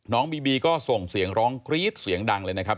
บีบีก็ส่งเสียงร้องกรี๊ดเสียงดังเลยนะครับ